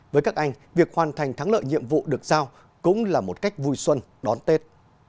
với các anh việc hoàn thành thắng lợi nhiệm vụ được giao cũng là một cách vui xuân đón tết